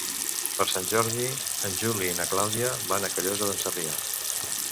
Per Sant Jordi en Juli i na Clàudia van a Callosa d'en Sarrià.